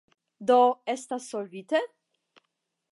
Do estas solvite?